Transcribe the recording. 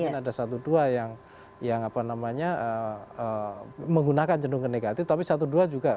mungkin ada satu dua yang yang apa namanya menggunakan jenungan negatif tapi satu dua juga